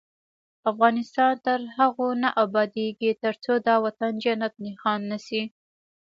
افغانستان تر هغو نه ابادیږي، ترڅو دا وطن جنت نښان نشي.